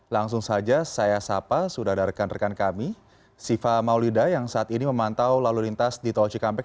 langsung saja saya sapa sudah ada rekan rekan kami siva maulida yang saat ini memantau lalu lintas di tol cikampek